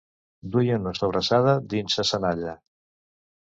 duia una sobrassada dins sa senalla